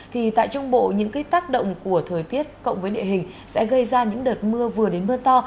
thì tại trung bộ những tác động của thời tiết cộng với địa hình sẽ gây ra những đợt mưa vừa đến mưa to